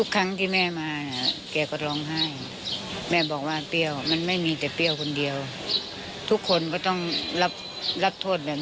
ขอบคุณครับ